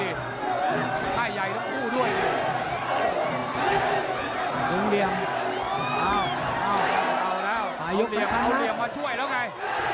เอาเหลี่ยงมาช่วยแล้วไง